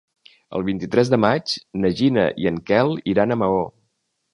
El vint-i-tres de maig na Gina i en Quel iran a Maó.